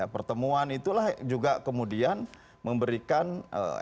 pertemuan itulah juga kemudian memberikan ee